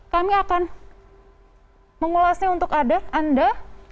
kami akan mengulasnya untuk anda